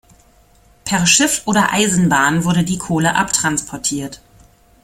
Per Schiff oder Eisenbahn wurde die Kohle abtransportiert.